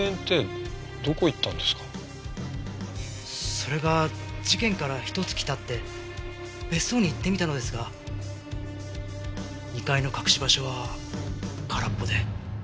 それが事件からひと月経って別荘に行ってみたのですが２階の隠し場所は空っぽで。